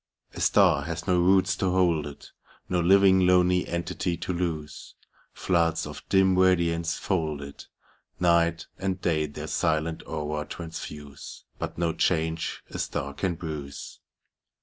A star has do roots to hold it, No living lonely entity to lose. Floods of dim radiance fold it ; Night and day their silent aura transfuse, But no change a star oan bruise.